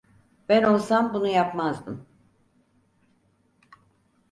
Ben olsam bunu yapmazdım.